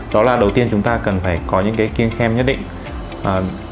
đó là đầu tiên chúng ta cần phải có những cái kiêng khem nhất định